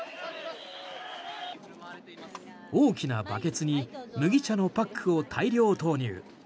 大きなバケツに麦茶のパックを大量投入。